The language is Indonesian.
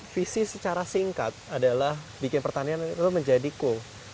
visi secara singkat adalah bikin pertanian itu menjadi cool